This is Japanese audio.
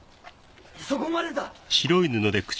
そこまでだ！